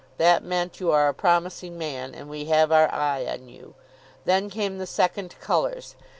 That meant, "You are a promising man, and we have our eye on you." Then came the second colours.